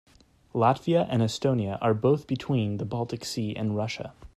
Latvia and Estonia are both between the Baltic Sea and Russia.